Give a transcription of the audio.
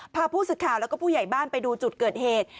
พาผู้สื่อข่าวแล้วก็ผู้ใหญ่บ้านไปดูจุดเกิดเหตุ